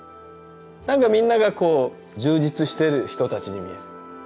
なんかみんながこう充実してる人たちに見える。